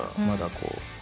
まだこう。